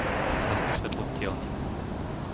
Zhasni svetlo v dielni.